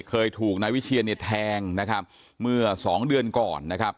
เคยถูกนายวิเชียนเนี่ยแทงนะครับเมื่อสองเดือนก่อนนะครับ